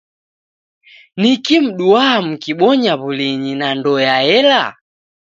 Niki mduaa mukibonya w'ulinyi na ndoe yaela?